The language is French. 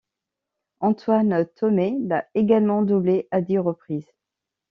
Antoine Tomé l'a également doublé à dix reprises.